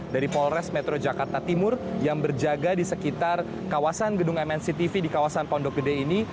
dari polres metro jakarta timur yang berjaga di sekitar kawasan gedung mnctv di kawasan pondok gede ini